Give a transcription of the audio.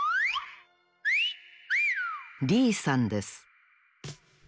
リーさんです